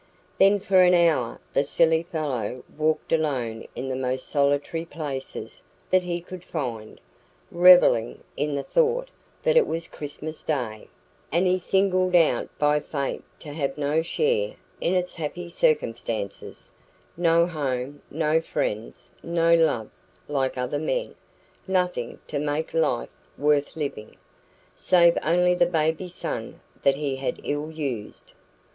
Then for an hour the silly fellow walked alone in the most solitary places that he could find, revelling in the thought that it was Christmas Day, and he singled out by Fate to have no share in its happy circumstances: no home, no friends, no love, like other men nothing to make life worth living, save only the baby son that he had ill used.